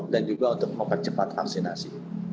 juga untuk mempercepat vaksinasi